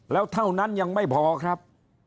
แล้วเท่านั้นยังไม่พอครับ